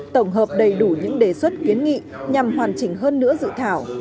tổng hợp đầy đủ những đề xuất kiến nghị nhằm hoàn chỉnh hơn nữa dự thảo